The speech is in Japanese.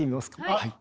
はい。